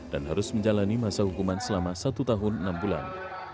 dan harus menjalani masa hukuman selama satu tahun enam bulan